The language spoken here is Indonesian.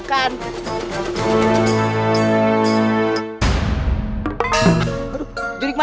kamu berdua berdua mana